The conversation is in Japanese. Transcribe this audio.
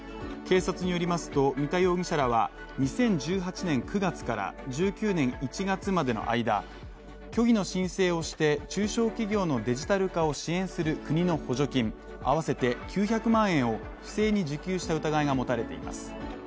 警察によりますと三田容疑者らは２０１８年９月から１９年１月までの間、虚偽の申請をして中小企業のデジタル化を支援する国の補助金、合わせて９００万円を不正に受給した疑いが持たれています。